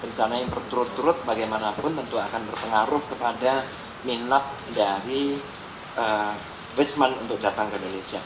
rencana yang berturut turut bagaimanapun tentu akan berpengaruh kepada minat dari wisman untuk datang ke indonesia